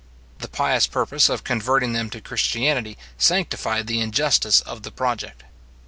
The pious purpose of converting them to Christianity sanctified the injustice of the project.